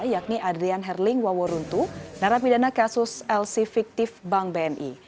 yakni adrian herling waworuntu narapidana kasus lc fiktif bank bni